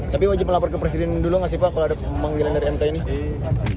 tapi wajib melapor ke presiden dulu gak sih pak kalau ada pemanggilan dari mk ini